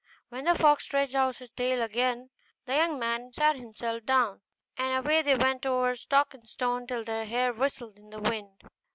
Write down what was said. Then the fox stretched out his tail again, and the young man sat himself down, and away they went over stock and stone till their hair whistled in the wind.